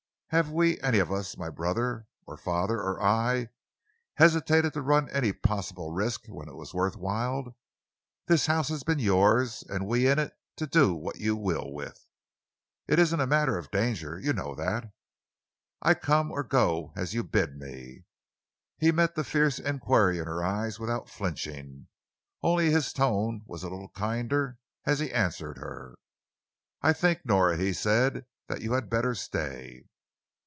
Have we any of us my brother or father or I hesitated to run any possible risk when it was worth while? This house has been yours, and we in it, to do what you will with. It isn't a matter of danger you know that. I come or go as you bid me." He met the fierce enquiry of her eyes without flinching. Only his tone was a little kinder as he answered her. "I think, Nora," he said, "that you had better stay."